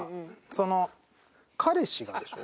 その彼氏がでしょ？